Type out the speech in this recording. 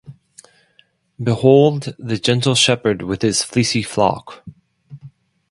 Behold the gentle shepherd with his fleecy flock!